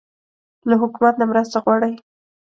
له حکومت نه مرسته غواړئ؟